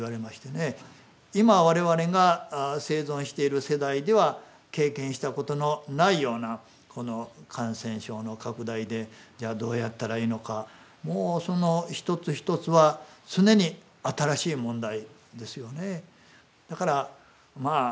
今我々が生存している世代では経験したことのないようなこの感染症の拡大でじゃあどうやったらいいのかもうその一つ一つは常に新しい問題ですよね。